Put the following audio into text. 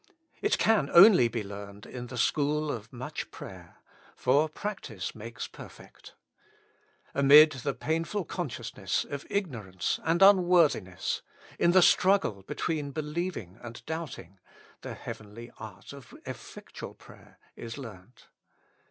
It can only be learned in the school of much prayer, for practice makes perfect. Amid the painful consciousness of ignorance and unworthiness, in the struggle between believing and doubting, the heav enly art of effectual prayer is learnt.